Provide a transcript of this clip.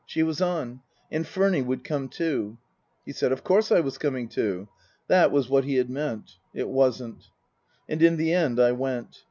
She was on. And Furny would come too. He said, of course I was coming too. That was what he had meant (it wasn't). And in the end I went.